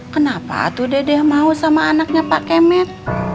kenapa tuh dede mau sama anaknya pak kemet